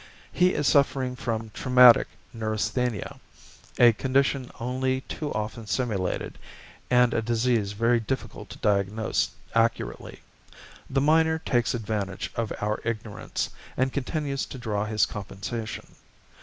He is suffering from 'traumatic neurasthenia' a condition only too often simulated, and a disease very difficult to diagnose accurately. The miner takes advantage of our ignorance, and continues to draw his compensation.